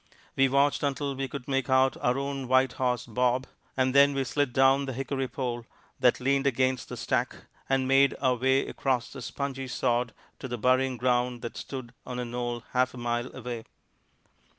We watched until we could make out our own white horse, Bob, and then we slid down the hickory pole that leaned against the stack, and made our way across the spongy sod to the burying ground that stood on a knoll half a mile away.